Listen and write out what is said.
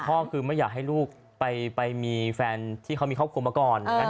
พ่อคือไม่อยากให้ลูกไปมีแฟนที่เขามีครอบครัวมาก่อน